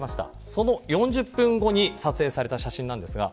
その４０分後に撮影された写真です。